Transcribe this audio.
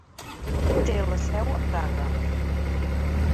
Té la seu a Praga.